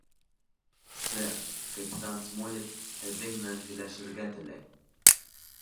— Сэр, капитан Смолетт һеҙҙең менән һөйләшергә теләй.